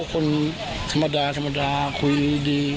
คนธรรมดาคุยดี